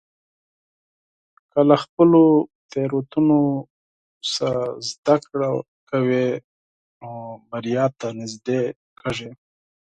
که له خپلو تېروتنو څخه زده کړه کوې، نو بریا ته نږدې کېږې.